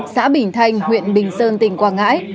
xã bỉnh thành huyện bình sơn tỉnh quảng ngãi